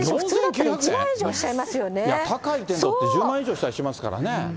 高いテントって１０万以上したりしますからね。